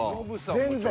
全然。